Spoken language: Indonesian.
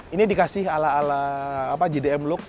ini dikasih ala ala gdm look